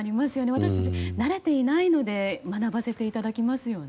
私たち、慣れてないので学ばせていただきますよね。